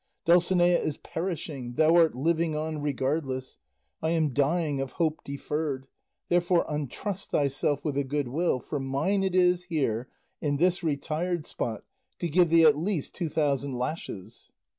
Dulcinea is perishing, thou art living on regardless, I am dying of hope deferred; therefore untruss thyself with a good will, for mine it is, here, in this retired spot, to give thee at least two thousand lashes."